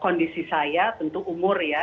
kondisi saya tentu umur ya